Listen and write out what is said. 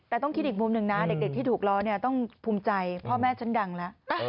แต่ต้องคิดอีกมุมหนึ่งนะเด็กที่ถูกล้อเนี่ยต้องภูมิใจพ่อแม่ฉันดังแล้ว